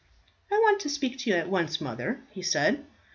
"I want to speak to you at once, mother," he said.